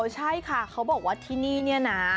ใช่ค่ะเขาบอกว่าที่นี่นะ